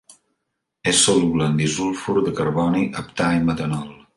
És soluble en disulfur de carboni, heptà i metanol.